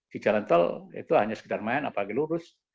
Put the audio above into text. di jalan tol itu hanya sekedar main apalagi lurus